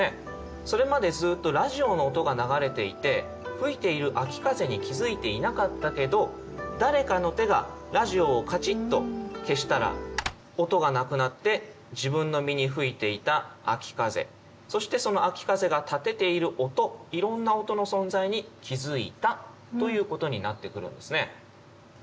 それまでずっとラジオの音が流れていて吹いている秋風に気づいていなかったけど誰かの手がラジオをカチッと消したら音がなくなって自分の身に吹いていた秋風そしてその秋風が立てている音いろんな音の存在に気づいたということになってくるんですね。